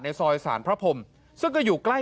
ซอยสารพระพรมซึ่งก็อยู่ใกล้